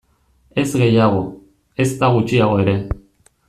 Ez gehiago, ezta gutxiago ere.